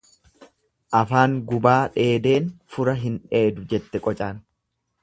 Afaan gubaa dheedeen fura hin dheedu jedhe qocaan.